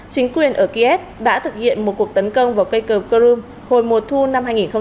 chính quyền ở kiev đã thực hiện một cuộc tấn công vào cây cầu krum hồi mùa thu năm hai nghìn hai mươi hai